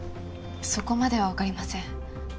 そこまではわかりません。